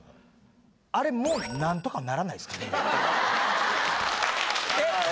あれもう何とかならないですかね？え？